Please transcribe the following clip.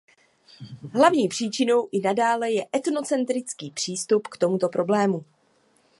Hlavní příčinou i nadále je etnocentrický přístup k tomuto problému.